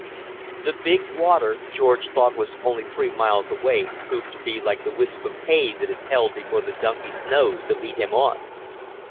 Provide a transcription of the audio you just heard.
The "big water" George thought was only three miles away proved to be like the wisp of hay that is held before the donkey's nose to lead him on.